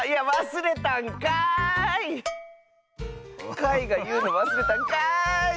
かいがいうのわすれたんかい！